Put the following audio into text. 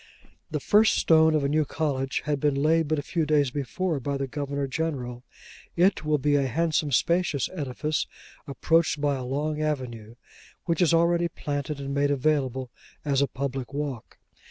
The first stone of a new college had been laid but a few days before, by the Governor General. It will be a handsome, spacious edifice, approached by a long avenue, which is already planted and made available as a public walk.